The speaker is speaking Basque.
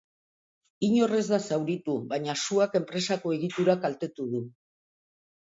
Inor ez da zauritu, baina suak enpresako egitura kaltetu du.